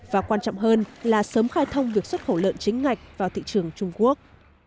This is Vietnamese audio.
và quan trọng hơn là sớm khai thông việc xuất khẩu lợn chính ngạch vào thị trường trung quốc